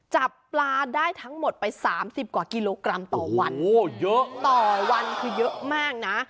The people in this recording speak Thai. จับปลาได้ทั้งหมดไปสามสิบกว่ากิโลกรัมต่อวันเยอะต่อวันคือเยอะมากนะ